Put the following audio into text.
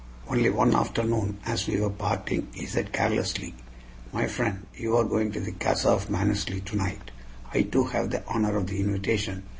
Only one afternoon, as we were parting, he said carelessly: "My friend, you are going to the casa of Mannersley tonight. I too have the honor of the invitation.